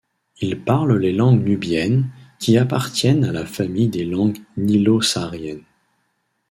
Ils parlent les langues nubiennes, qui appartiennent à la famille des langues nilo-sahariennes.